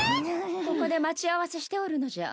ここで待ち合わせしておるのじゃ。